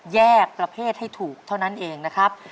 แยกประเภทให้ถูกเท่านั้นเองนะครับ